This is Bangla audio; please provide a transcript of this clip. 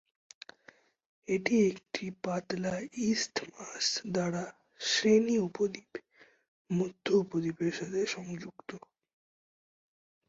এটি একটি পাতলা ইসথমাস দ্বারা স্রেনি উপদ্বীপ, "মধ্য উপদ্বীপ" এর সাথে সংযুক্ত।